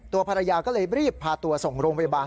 ภรรยาก็เลยรีบพาตัวส่งโรงพยาบาล